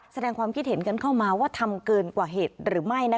แสดงความคิดเห็นกันเข้ามาว่าทำเกินกว่าเหตุหรือไม่